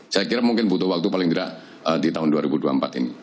saya kira mungkin butuh waktu paling tidak di tahun dua ribu dua puluh empat ini